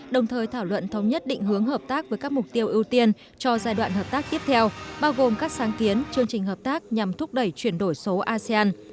đồng thời thảo luận thống nhất định hướng hợp tác với các mục tiêu ưu tiên cho giai đoạn hợp tác tiếp theo bao gồm các sáng kiến chương trình hợp tác nhằm thúc đẩy chuyển đổi số asean